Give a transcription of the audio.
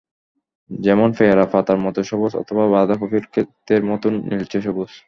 যেমন পেয়ারা পাতার মতো সবুজ অথবা বাঁধাকপির খেতের মতো নীলচে সবুজ।